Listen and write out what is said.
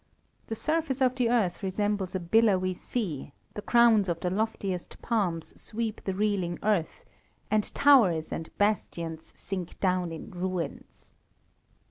The surface of the earth resembles a billowy sea; the crowns of the loftiest palms sweep the reeling earth, and towers and bastions sink down in ruins.